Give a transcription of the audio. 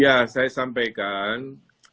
ya saya sampaikan